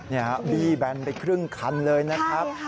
บี้แบนไปครึ่งคันเลยนะครับ